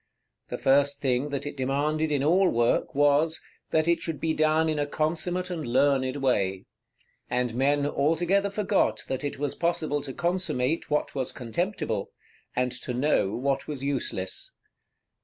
The first thing that it demanded in all work was, that it should be done in a consummate and learned way; and men altogether forgot that it was possible to consummate what was contemptible, and to know what was useless.